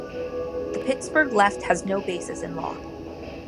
The Pittsburgh left has no basis in law.